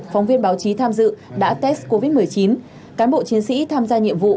phóng viên báo chí tham dự đã test covid một mươi chín cán bộ chiến sĩ tham gia nhiệm vụ